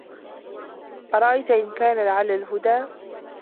أَرَأَيتَ إِن كانَ عَلَى الهُدى